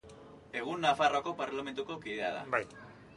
Egun Nafarroako Parlamentuko kidea da.